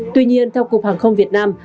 tuy nhiên theo cục hàng không việt nam